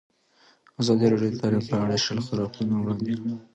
ازادي راډیو د تعلیم په اړه د شخړو راپورونه وړاندې کړي.